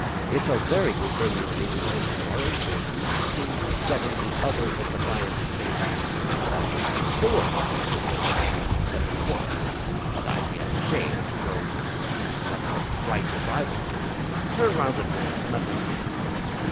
"It's a very good thing you're leaving home to morrow, for you'd soon be setting the others at defiance, too, and I should have four naughty children on my hands instead of one. But I'd be ashamed to go to school such a fright if I were you. Turn round at once and let me see you!"